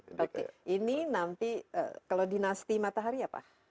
oke ini nanti kalau dinasti matahari apa